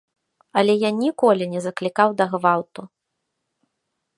Але я ніколі не заклікаў да гвалту.